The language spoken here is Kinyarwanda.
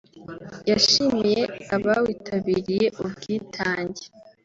yashimiye abawitabiriye ubwitange